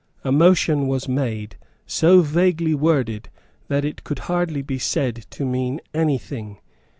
A motion was made so vaguely worded that it could hardly be said to mean any thing.